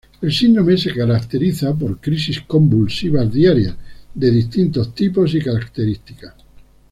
El síndrome se caracteriza por crisis convulsivas diarias, de distintos tipos y características.